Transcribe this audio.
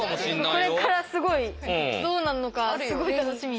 これからすごいどうなるのかすごい楽しみ。